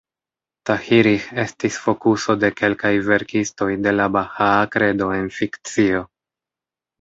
Tahirih estis fokuso de kelkaj verkistoj de la Bahaa Kredo en fikcio.